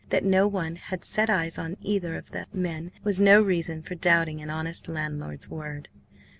That no one had set eyes on either of the men was no reason for doubting an honest landlord's word.